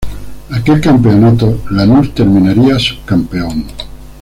Aquel campeonato Lanús terminaría subcampeón.